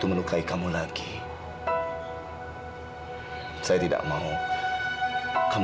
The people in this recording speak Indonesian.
amira kamu dengar suara saya